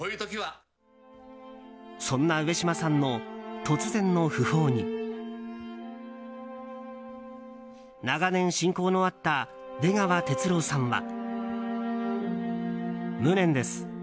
そんな上島さんの突然の訃報に長年親交のあった出川哲朗さんは。